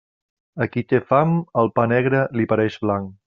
A qui té fam, el pa negre li pareix blanc.